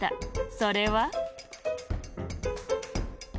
それは。